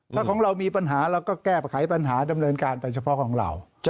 ถ้าของเรามีปัญหาเราก็แก้ไขปัญหาดำเนินการไปเฉพาะของเรา